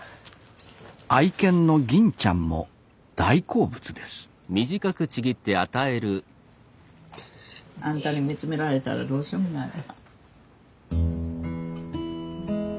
愛犬のぎんちゃんも大好物ですあんたに見つめられたらどうしようもないわ。